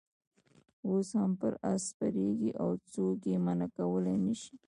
اوس هم پر آس سپرېږي او څوک یې منع کولای نه شي.